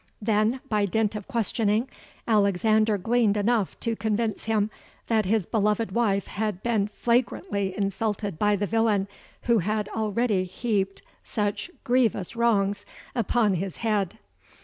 Then, by dint of questioning, Alexander gleaned enough to convince him that his beloved wife had been flagrantly insulted by the villain who had already heaped such grievous wrongs upon his head.